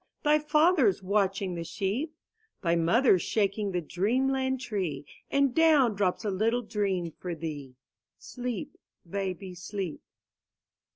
Thy father's watching the sheep; Thy mother's shaking the dreamland tree,^ And down drops a little dream for thee. Sleep, baby, sleep.